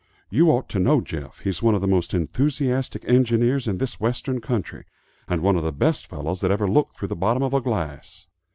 You ought to know Jeff; he's one of the most enthusiastic engineers in this western country, and one of the best fellows that ever looked through the bottom of a glass."